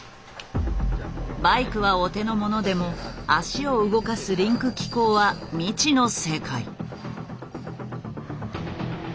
バイクはお手の物でも脚を動かすリンク機構は未知の世界。